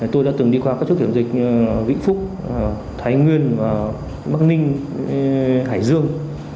tôi đã từng đi qua các chốt kiểm dịch vĩnh phúc thái nguyên và bắc ninh hải dương